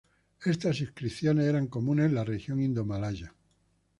Estas inscripciones eran comunes en la región Indomalaya.